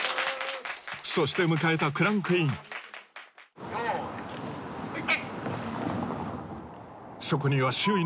そして迎えたクランクイン・用意はい！